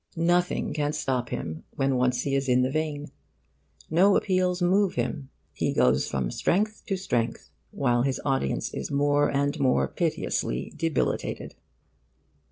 Nothing can stop him when once he is in the vein. No appeals move him. He goes from strength to strength while his audience is more and more piteously debilitated.